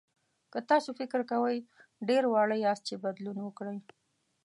که تاسو فکر کوئ ډېر واړه یاست چې بدلون وکړئ.